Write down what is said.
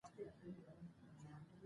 ـ نقص دې وشه ، د مړي په اروا دې مه رسه.